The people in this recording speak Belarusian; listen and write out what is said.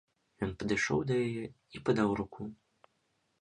Ён падышоў да яе і падаў руку.